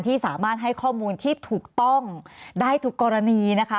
ที่สามารถให้ข้อมูลที่ถูกต้องได้ทุกกรณีนะคะ